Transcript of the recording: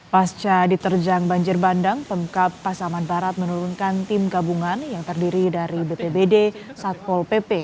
pasca diterjang banjir bandang pemkap pasaman barat menurunkan tim gabungan yang terdiri dari bpbd satpol pp